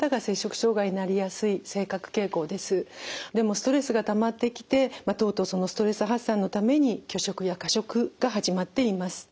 ストレスがたまってきてとうとうそのストレス発散のために拒食や過食が始まっています。